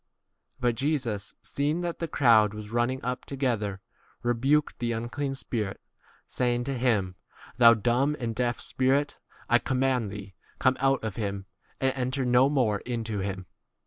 But Jesus, seeing that the crowd was running up together, rebuked the unclean spirit, saying to him, Thou dumb and deaf spirit, I com mand thee, come out of him and 26 enter no more into him.